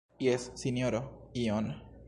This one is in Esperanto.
Jes, Sinjoro, iom.